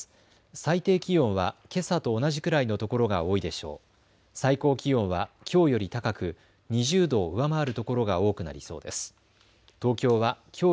最低気温はけさと同じくらいのところが多いでしょう。